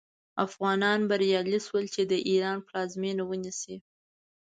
افغانان بریالي شول چې د ایران پلازمینه ونیسي.